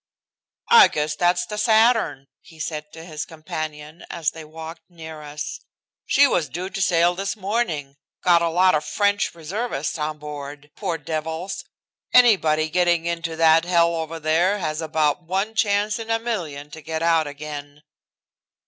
"I guess that's the Saturn," he said to his companion as they walked near us. "She was due to sail this morning. Got a lot of French reservists on board. Poor devils! Anybody getting into that hell over there has about one chance in a million to get out again."